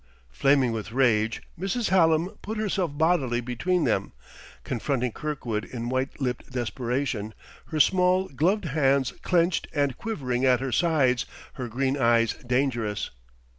Flaming with rage, Mrs. Hallam put herself bodily between them, confronting Kirkwood in white lipped desperation, her small, gloved hands clenched and quivering at her sides, her green eyes dangerous.